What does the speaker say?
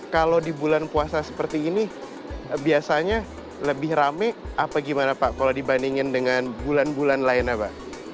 kalau di bulan puasa seperti ini biasanya lebih rame apa gimana pak kalau dibandingin dengan bulan bulan lain apa